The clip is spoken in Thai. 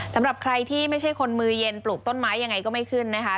สำหรับใครที่ไม่ใช่คนมือเย็นปลูกต้นไม้ยังไงก็ไม่ขึ้นนะคะ